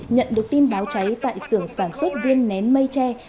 nhận được tin báo cháy tại sửa sản xuất viên nén mây tre trên địa bàn